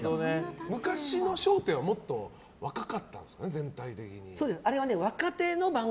昔の「笑点」はもっと若かったんですか？